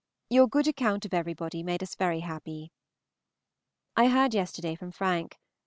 Your good account of everybody made us very happy. I heard yesterday from Frank.